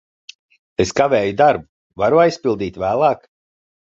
Es kavēju darbu. Varu aizpildīt vēlāk?